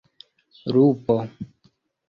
lupo